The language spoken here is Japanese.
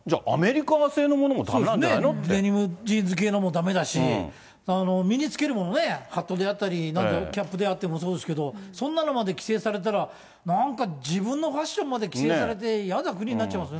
デニム、ジーンズ系のものもだめだし、身に着けるものね、ハットであったりね、キャップであってもそうですけど、そんなのまで規制されたら、なんか自分のファッションまで規制されて嫌な国になっちゃいます